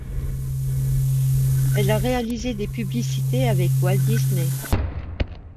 Elle a réalisé des publicités avec Walt Disney.